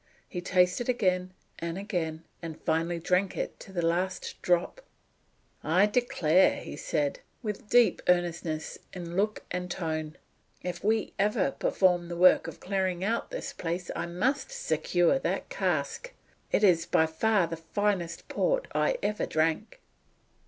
He tasted again, and again, and finally drank it to the last drop. "I declare," said he, with deep earnestness in look and tone, "if we ever perform the work of clearing out this place I must secure that cask. It is by far the finest port I ever drank."